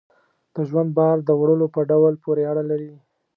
د ژوند بار د وړلو په ډول پورې اړه لري.